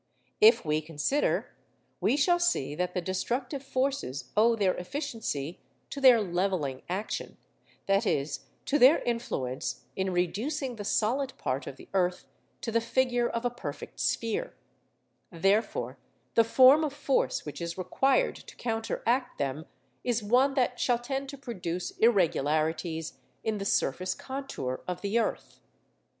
If we consider, we shall see that the destructive forces owe their efficiency to their levelling action, that is, to their influence in reducing the solid part of the earth to the figure of a perfect sphere; therefore the form of force which is required to counteract them is one that shall tend to produce irregularities in the surface contour of the earth.